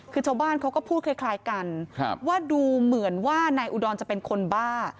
คือชาวบ้านเขาก็พูดคล้ายกันว่าดูเหมือนว่านายอุดรจะเป็นคนบ้า